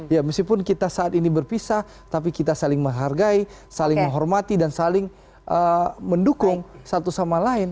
ya meskipun kita saat ini berpisah tapi kita saling menghargai saling menghormati dan saling mendukung satu sama lain